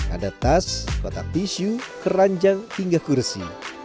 ada tas kotak tisu keranjang hingga kursi